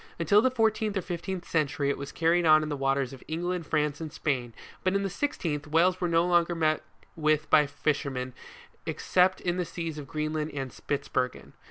Until the fourteenth or fifteenth century it was carried on in the waters of England, France and Spain ; but in the sixteenth, whales were no longer met with by fishermen except in the seas of Greenland and Spitzbergen.